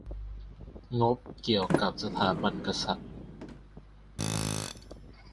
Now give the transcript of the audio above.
งบเกี่ยวกับสถาบันกษัตริย์